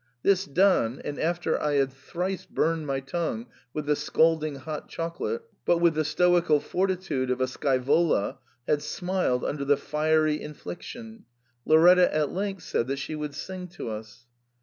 This done, and after I had thrice burned my tongue with the scalding hot chocolate, but with the stoical fortitude of a Scaevola had smiled under the fiery infliction, Lauretta at length said that she would sing to us.